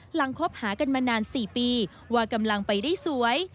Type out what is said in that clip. คบหากันมานาน๔ปีว่ากำลังไปได้สวย